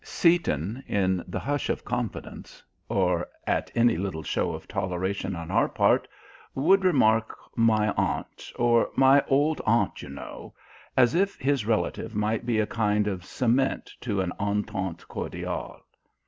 Seaton, in the hush of confidence, or at any little show of toleration on our part, would remark, "My aunt," or "My old aunt, you know," as if his relative might be a kind of cement to an entente cordiale.